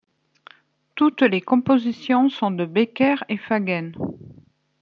Toutes les compositions sont de Becker et Fagen.